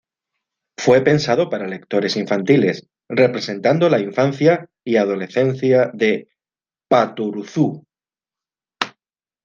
Fue pensado para lectores infantiles, representando la infancia y adolescencia de Patoruzú.